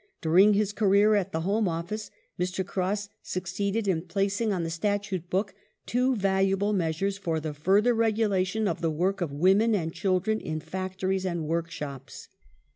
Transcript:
During his cai eer at the Home Office Mr. Cross succeeded in placing on the Statute book two valuable measures for the further regulation of the work of women and children in factories and workshops.